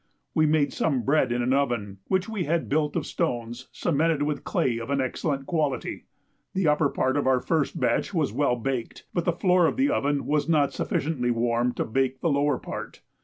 We made some bread in an oven which we had built of stones cemented with clay of an excellent quality. The upper part of our first batch was well baked, but the floor of the oven was not sufficiently warm to bake the lower part.